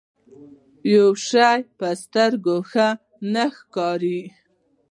يو شی په سترګو ښه نه ښکاري.